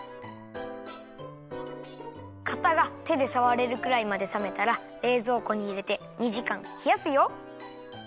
かたがてでさわれるくらいまでさめたられいぞうこにいれて２じかんひやすよ。